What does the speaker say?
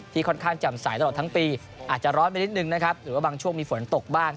ค่อนข้างจำใสตลอดทั้งปีอาจจะร้อนไปนิดนึงนะครับหรือว่าบางช่วงมีฝนตกบ้าง